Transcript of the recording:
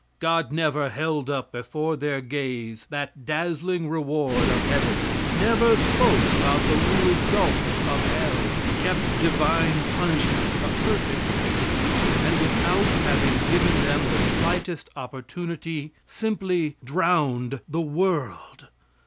God never held up before their gaze that dazzling reward of heaven; never spoke about the lurid gulfs of hell; kept divine punishment a perfect secret, and without having given them the slightest opportunity, simply drowned the world.